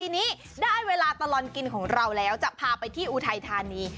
ทีนี้ได้เวลาตลอดกินของเราแล้วจะพาไปที่อุทัยธานี